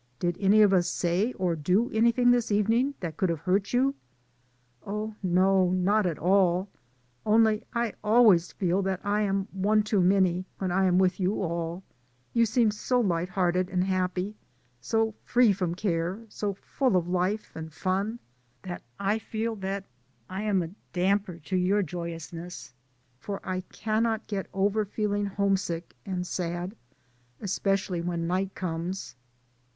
Did any of us say, or do anything this evening that could have hurt you?" "Oh, no ; not at all, only I always feel that I am one too many, when I am with you all ; you seem so light hearted and happy, so free from care, so full of life and fun, that I feel that I am a damper to your joyousness, for I cannot get over feeling homesick and sad, especially when night comes."